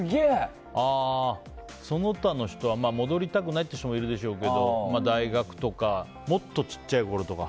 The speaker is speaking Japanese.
その他の人は戻りたくないという人もいるでしょうけど大学とかもっと小さいころとか。